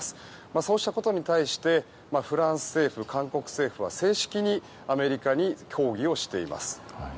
そうしたことに対してフランス政府、韓国政府は正式にアメリカに抗議をしています。